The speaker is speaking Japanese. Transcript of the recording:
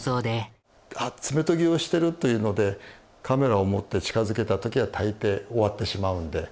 あっ爪研ぎをしてるというのでカメラを持って近づけた時は大抵終わってしまうんで。